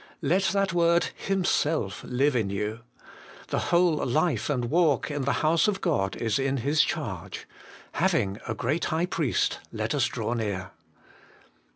Let that word Himself live in you. The whole life and walk in the House of God is in His charge. Having a Great Priest, let us draw near.